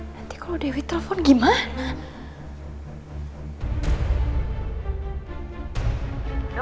nanti kalau dewi telepon gimana